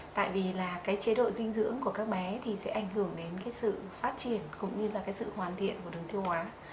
tại vì chế độ dinh dưỡng của các bé sẽ ảnh hưởng đến sự phát triển cũng như sự hoàn thiện của đường tiêu hóa